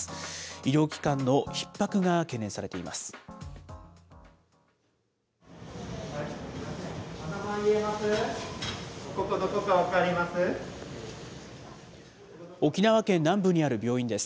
医療機関のひっ迫が懸念されています。